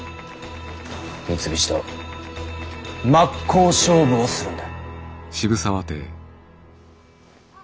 三菱と真っ向勝負をするんだ。